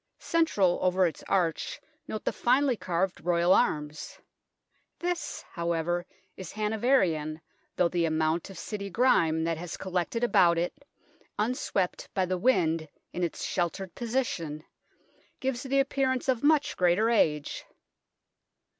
Central over its arch note the finely carved Royal arms. This, however, is Hanoverian, though the amount of City grime that has collected about it, unswept by the wind in its sheltered position, gives the appearance of much greater age.